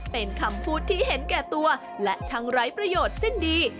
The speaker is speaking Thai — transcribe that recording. เป็นคำพูดที่เห็นแก่ตัวและช่างไร้ประโยชน์สิ้นดี